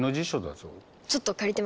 ちょっと借りてます。